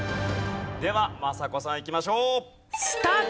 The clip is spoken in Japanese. では政子さんいきましょう。